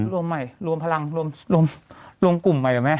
รวมใหม่รวมพลังรวมกลุ่มไหม